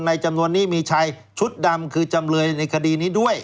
จำนวนนี้มีชายชุดดำคือจำเลยในคดีนี้ด้วย